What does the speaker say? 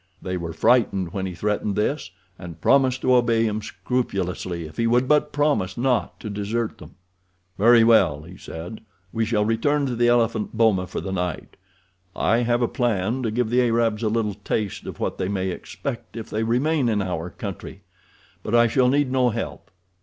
They were frightened when he threatened this, and promised to obey him scrupulously if he would but promise not to desert them. "Very well," he said. "We shall return to the elephant boma for the night. I have a plan to give the Arabs a little taste of what they may expect if they remain in our country, but I shall need no help.